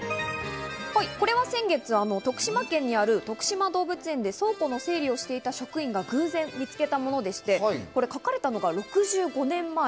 これは先月、徳島県にあるとくしま動物園で倉庫の整理をしていた職員が偶然見つけたものでして書かれたのが６５年前。